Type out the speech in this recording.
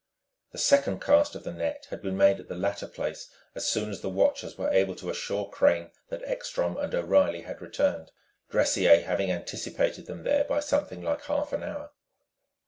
The second cast of the net had been made at the latter place as soon as the watchers were able to assure Crane that Ekstrom and O'Reilly had returned Dressier having anticipated them there by something like half an hour.